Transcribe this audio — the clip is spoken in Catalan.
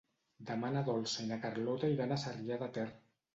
Demà na Dolça i na Carlota iran a Sarrià de Ter.